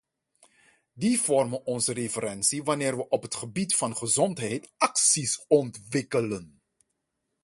Die vormen onze referentie wanneer we op het gebied van gezondheid acties ontwikkelen.